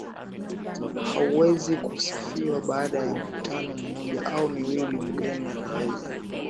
hauwezi kusifiwa Baada ya mkutano mmoja au miwili mgeni anaweza